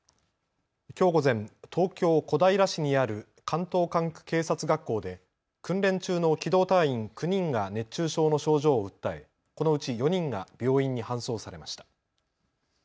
きょう午前、東京小平市にある関東管区警察学校で訓練中の機動隊員９人が熱中症の症状を訴え、このうち４人が病院に搬送されました。